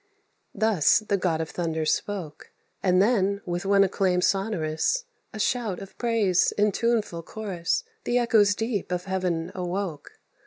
Thus the God of Thunder spoke, And then, with one acclaim sonorous, A shout of praise, in tuneful chorus, The echoes deep of heaven awoke.